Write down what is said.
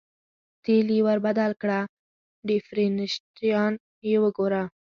تېل یې ور بدل کړه، ډېفرېنشیال یې وګوره.